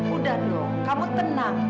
udah dong kamu tenang